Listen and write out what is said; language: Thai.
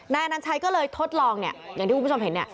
นายอนัญชัยก็เลยทดลองเนี่ยอย่างที่คุณผู้ชมเห็นเนี่ย